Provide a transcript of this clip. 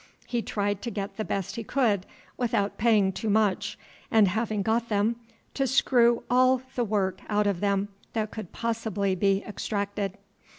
He tried to get the best he could without paying too much, and, having got them, to screw all the work out of them that could possibly be extracted.